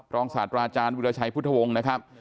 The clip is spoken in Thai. ศาสตราอาจารย์วิราชัยพุทธวงศ์นะครับ